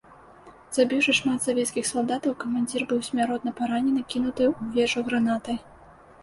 Забіўшы шмат савецкіх салдатаў, камандзір быў смяротна паранены кінутай у вежу гранатай.